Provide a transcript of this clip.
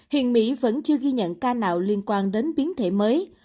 hiện mỹ vẫn chưa ghi nhận ca nào liên quan đến biến thể mới